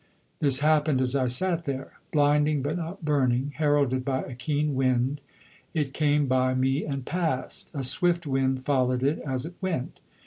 This happened as I sat there. Blinding but not burning, heralded by a keen wind, it came by me and passed; a swift wind followed it as it went.